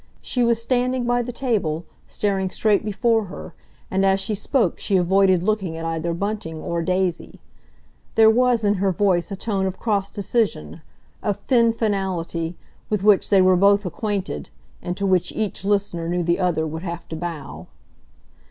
She was standing by the table, staring straight before her, and as she spoke she avoided looking at either Bunting or Daisy. There was in her voice a tone of cross decision, of thin finality, with which they were both acquainted, and to which each listener knew the other would have to bow.